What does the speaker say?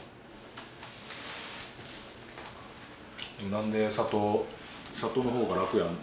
何で「里」の方が楽やん？